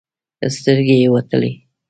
سترګې يې وتلې.